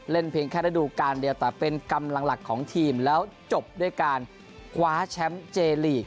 เพียงแค่ระดูการเดียวแต่เป็นกำลังหลักของทีมแล้วจบด้วยการคว้าแชมป์เจลีก